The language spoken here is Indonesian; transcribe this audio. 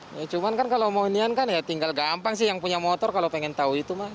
ya cuman kan kalau mau inian kan ya tinggal gampang sih yang punya motor kalau pengen tahu itu mah